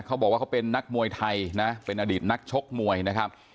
เขาบอกว่าเขาเป็นนักมวยไทยนะเป็นอดีตนักชกมวยนะครับ